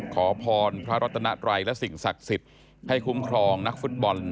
ขอพรพระรัตนไตรและสิ่งศักดิ์สิทธิ์ให้คุ้มครองนักฟุตบอล